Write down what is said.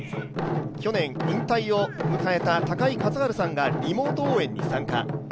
去年引退を迎えた高井和治さんがリモート応援に参加。